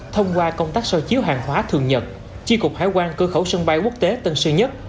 thông qua công tác so chiếu hàng hóa thường nhật chi cục hải quan cơ khẩu sân bay quốc tế tân sơn nhất